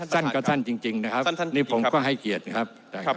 สั้นก็สั้นจริงนะครับนี่ผมก็ให้เกียรตินะครับ